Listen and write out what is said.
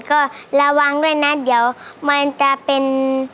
ก็ระวังด้วยนะเดี๋ยวมันจะเป็น